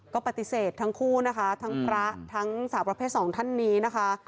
ก็ปฏิเสธทั้งคู่นะคะทั้งพระทั้งสาวประเภทสองท่านนี้นะคะ